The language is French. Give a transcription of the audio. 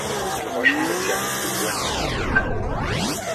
Il rejoint le service des douanes de l’entreprise.